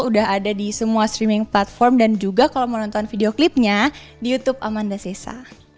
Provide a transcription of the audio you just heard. udah ada di semua streaming platform dan juga kalau mau nonton videoclipnya di youtube amanda sessa